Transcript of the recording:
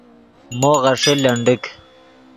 مو غیݰے لنڈیک